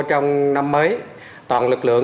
trong năm mới toàn lực lượng